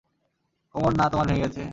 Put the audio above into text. কোমর না তোমার ভেঙে গেছে?